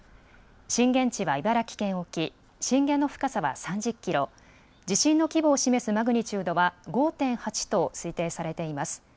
震源地は茨城県沖、震源の深さは３０キロ、地震の規模を示すマグニチュードは５．８と推定されています。